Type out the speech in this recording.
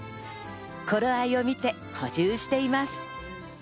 頃合いを見て補充しています。